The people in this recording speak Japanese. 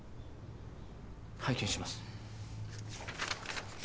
拝見します。